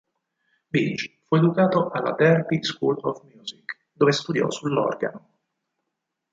Binge fu educato alla Derby School of Music, dove studiò sull'organo.